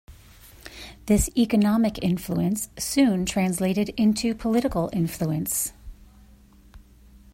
This economic influence soon translated into political influence.